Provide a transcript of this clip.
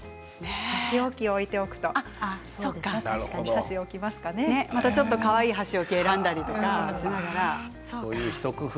箸置きを置いておくとまたちょっとかわいい箸置きを選んだりとか。